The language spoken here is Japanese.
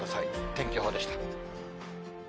天気予報でした。